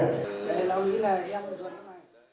để lâu lý là em có dùng em này